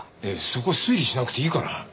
そこ推理しなくていいから。